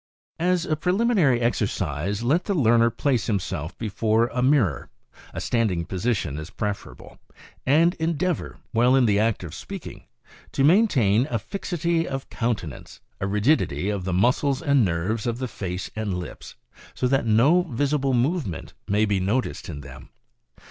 jffd S a preliminary exercise let the learner place himself before a *£j) mirror — a standing position is preferable — and endeavor, while in the act of speaking, to maintain a fixity of countenance, a rigidity of the muscles and nerves of the face and lips, so that no visible movement may be noticed in them.